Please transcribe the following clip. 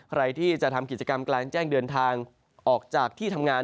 ใครที่จะทำกิจกรรมกลางแจ้งเดินทางออกจากที่ทำงาน